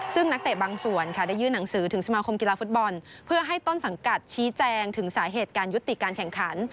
ซึ่งนักเตะบางส่วนค่ะได้ยื่นหนังสือถึงสมาคมกีฬาฟุตบอลเพื่อให้ต้นสังกัดชี้แจงถึงสาเหตุการยุติการแข่งขัน